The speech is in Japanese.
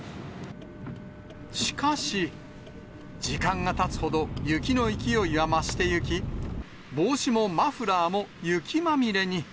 しかし、時間がたつほど、雪の勢いは増していき、帽子もマフラーも雪まみれに。